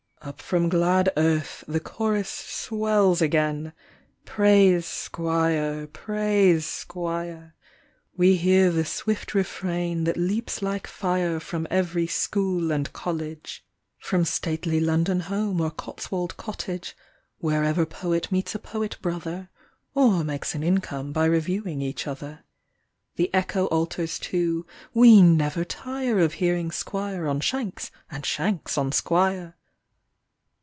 " Up from glad Earth the chorus swells again, " Praise Squire, Praise Squire," we hear the swift refrain That leaps like fire from every school and college, 57 From stately London home or Cotswold Cottage, Wherever poet meets a poet brother (Or makes an income by reviewing each other). The echo alters to " We never tire Of hearing Squire on Shanks and Shanks on Squire."